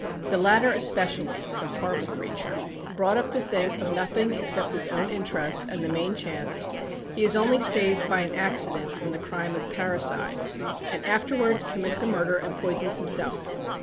The latter especially is a horrible creature. Brought up to think of nothing except his own interests and the main chance, he is only saved by an accident from the crime of parricide, and afterwards commits a murder and poisons himself.